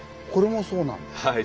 はい。